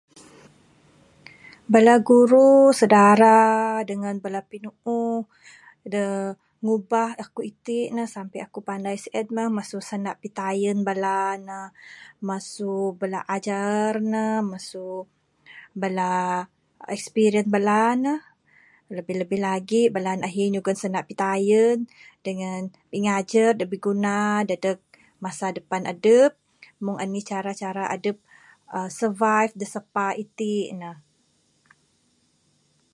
Bala guru, saudara dengan bala pinuuh, da ngubah akuk iti ne, sampai akuk pandai. Sien mah nak pitayun bala ne, masu bala ajar ne, masu bala experince bala ne. Lebih lebih lagik bala ne ahi nyugon sanda pitayen dengan pingajar da biguna dadeg masa depan adup, mung anih cara cara adup uhh survive da sapa ti ne.